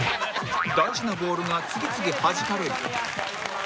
大事なボールが次々はじかれる